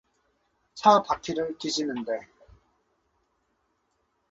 차 바퀴를 뒤지는데